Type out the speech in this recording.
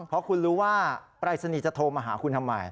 เพราะคุณรู้ว่าปรายศนีย์จะโทรมาหาคุณทำไม